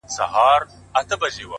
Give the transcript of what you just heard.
هغه خو هغه کوي- هغه خو به دی نه کوي-